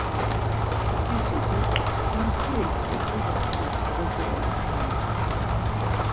Biç̌epek, Ham seri p̌t̆rağodaten bozo elaxuneri ya.